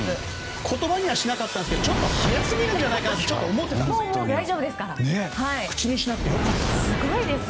言葉にはしなかったんですけどちょっと早すぎるんじゃないかと思っていたんです。